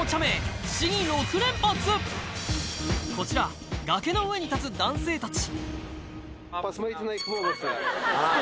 こちら崖の上に立つ男性たち